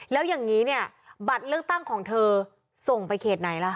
แล้วอย่างนี้เนี่ยบัตรเลือกตั้งของเธอส่งไปเขตไหนล่ะ